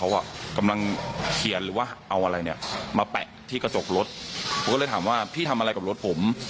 แล้วเขาก็เปิดประตูมาและเหตุการณ์ก็ตามในคลิปเลยครับ